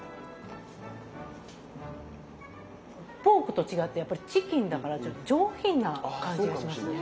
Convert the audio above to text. ポークと違ってやっぱりチキンだからちょっと上品な感じがしますけど。